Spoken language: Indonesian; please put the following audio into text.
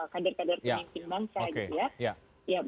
kadir kadir pemimpin bangsa